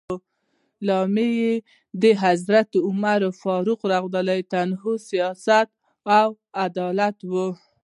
لامل یې د حضرت عمر فاروق سیاست، تدبیر او عدالت و.